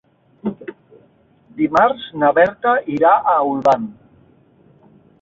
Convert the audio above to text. Dimarts na Berta irà a Olvan.